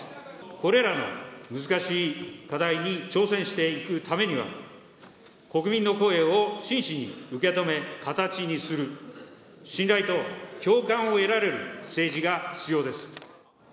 これらの難しい課題に挑戦していくためには、国民の声を真摯に受け止め形にする、信頼と共感を得られる政治が必要です。